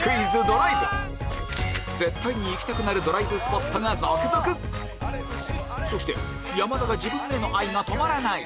ドライブ絶対に行きたくなるドライブスポットが続々そして山田が自分への愛が止まらない！